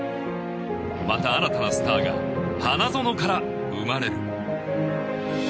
また新たなスターが花園から生まれる。